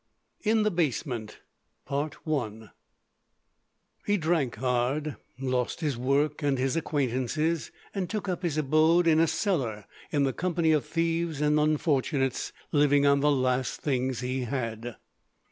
IN THE BASEMENT I He drank hard, lost his work and his acquaintances, and took up his abode in a cellar in the company of thieves and unfortunates, living on the last things he had.